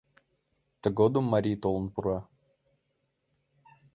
Тыгодым марий толын пура.